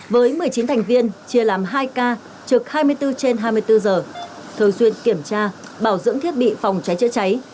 với một mươi chín thành viên chia làm hai ca trực hai mươi bốn trên hai mươi bốn giờ thường xuyên kiểm tra bảo dưỡng thiết bị phòng cháy chữa cháy